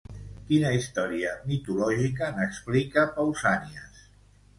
Quina història mitològica n'explica Pausànias?